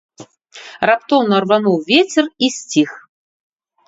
Раптоўна рвануў вецер і сціх.